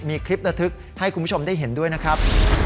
มีคลิประทึกให้คุณผู้ชมได้เห็นด้วยนะครับ